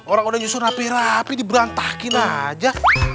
orang orang justru rapi rapi diberantakin aja